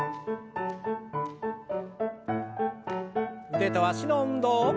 腕と脚の運動。